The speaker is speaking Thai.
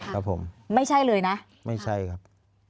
ครับผมไม่ใช่เลยนะไม่ใช่ครับ